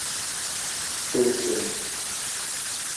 Шул ук күренеш.